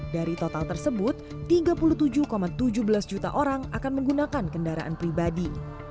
dari total tersebut tiga puluh tujuh tujuh belas juta orang akan menggunakan kendaraan pribadi